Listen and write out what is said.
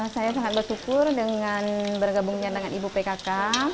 saya sangat bersyukur dengan bergabungnya dengan ibu pkk